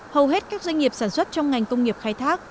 hầu hết các doanh nghiệp sản xuất trong ngành công nghiệp khai thác